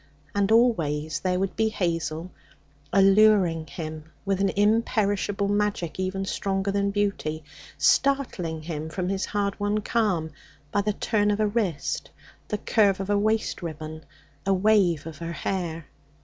And always there would be Hazel, alluring him with an imperishable magic even stronger than beauty, startling him from his hard won calm by the turn of a wrist, the curve of a waist ribbon, a wave of her hair.